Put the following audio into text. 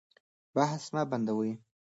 بحث مه بندوئ.